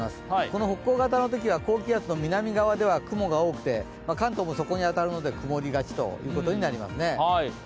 この北高型のときは高気圧の南側では雲が多くて、関東もそこに当たるので曇りがちということになりますね。